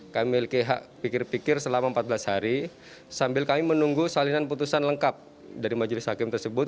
kami memiliki hak pikir pikir selama empat belas hari sambil kami menunggu salinan putusan lengkap dari majelis hakim tersebut